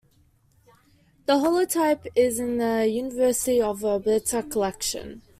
The holotype is in the University of Alberta collection.